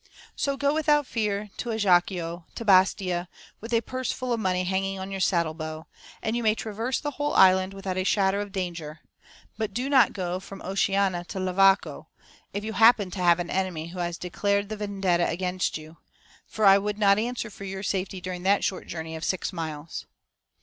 So go without fear to Ajaccio, to Bastia, with a purse full of money hanging to your saddle bow, and you may traverse the whole island without a shadow of danger, but do not go from Oceana to Levaco, if you happen to have an enemy who has declared the Vendetta against you, for I would not answer for your safety during that short journey of six miles.